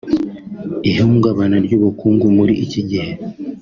Ihungabana ry’ubukungu muri iki gihe